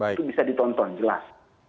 itu bisa ditonton jelas